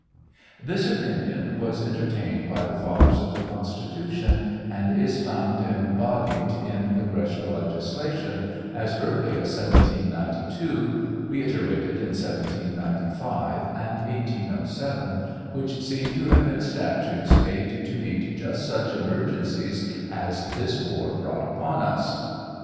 This opinion was entertained by the fathers of the CoustituJ; ion and is found embodied in congressional legislation as early as 1792, reiterated in 1795 and 1807, which seem to have been statutes made to meet just such emergencies as this war brought upon us.